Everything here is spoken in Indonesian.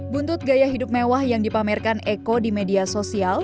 buntut gaya hidup mewah yang dipamerkan eko di media sosial